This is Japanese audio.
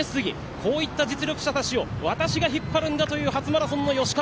こういった実力者たちを私が引っ張るんだという初マラソンの吉川。